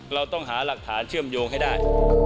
เราต้องหาหลักฐานเชื่อมโยงให้ได้